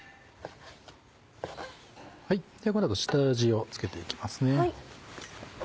この後下味を付けていきますね。